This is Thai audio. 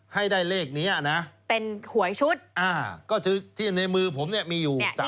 ให้ได้เลขนี้นะเป็นหวยชุดก็คือที่ในมือผมเนี่ยมีอยู่